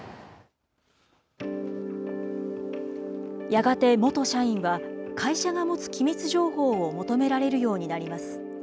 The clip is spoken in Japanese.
やがて元社員は、会社が持つ機密情報を求められるようになります。